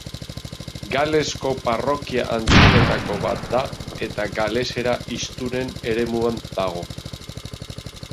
Galesko parrokia handienetako bat da eta galesera hiztunen eremuan dago.